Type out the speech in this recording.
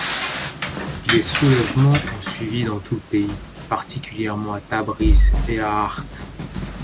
Des soulèvements ont suivi dans tout le pays, particulièrement à Tabriz et à Racht.